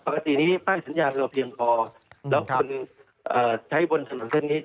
ปกตินี้ป้ายสัญญาณเราเพียงพอแล้วคนใช้บนถนนเส้นนี้